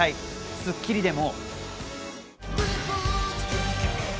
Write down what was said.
『スッキリ』でも。